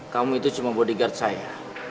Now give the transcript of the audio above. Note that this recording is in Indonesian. kamu itu cuma bodyguard saya